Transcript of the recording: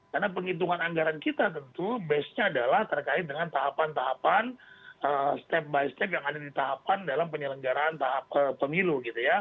karena penghitungan anggaran kita tentu base nya adalah terkait dengan tahapan tahapan step by step yang ada di tahapan dalam penyelenggaraan pemilu